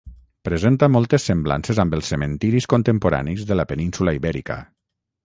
Presenta moltes semblances amb els cementiris contemporanis de la península Ibèrica.